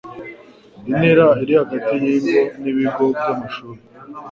intera iri hagati y ingo n ibigo by amashuri